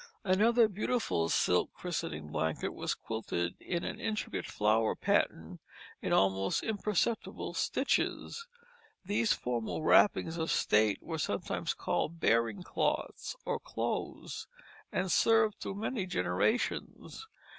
Another beautiful silk christening blanket was quilted in an intricate flower pattern in almost imperceptible stitches. These formal wrappings of state were sometimes called bearing cloths or clothes, and served through many generations.